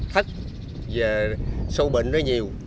thất và sâu bệnh nó nhiều